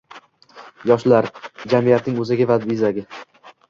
Yoshlar - jamiyatning o‘zagi va bezagi